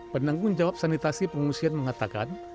penanggung jawab sanitasi pengungsian mengatakan